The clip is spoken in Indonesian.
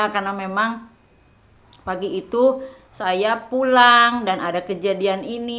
karena memang pagi itu saya pulang dan ada kejadian ini